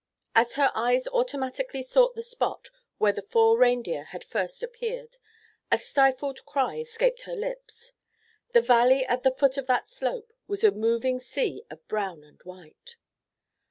As her eyes automatically sought the spot where the four reindeer had first appeared, a stifled cry escaped her lips. The valley at the foot of that slope was a moving sea of brown and white.